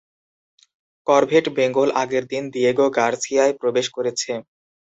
Corvette "Bengal" আগের দিন দিয়েগো গার্সিয়ায় প্রবেশ করেছে।